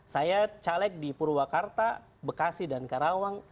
saya caleg di purwakarta bekasi dan karawang